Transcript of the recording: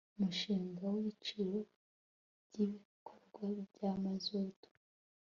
umushinga w ibiciro byibikorwa bya mazutu